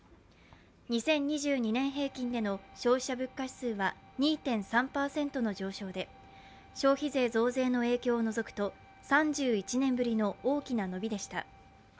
２０２２年平均での消費者物価指数は２．３％の上昇で、消費税増税の影響を除くと３１年ぶりの大きな伸びでした。